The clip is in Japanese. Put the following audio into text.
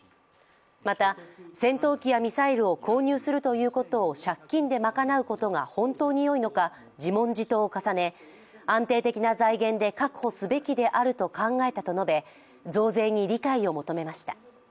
また戦闘機やミサイルを購入するということを借金で賄うことが本当に良いか自問自答を重ね、安定的な財源で確保すべきであると考えたと述べ増税に理解を求めました。